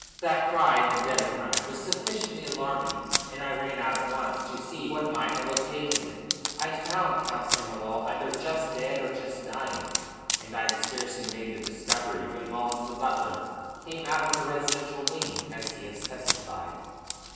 That cry in the dead of night was sufficiently alarming, and I ran out at once to see what might have occasioned it. I found Count Samoval either just dead or just dying, and I had scarcely made the discovery when Mullins, the butler, came out of the residential wing, as he has testified.